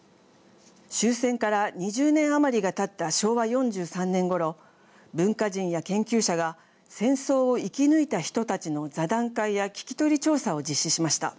終戦から２０年余りがたった昭和４３年ごろ文化人や研究者が戦争を生き抜いた人たちの座談会や聞き取り調査を実施しました。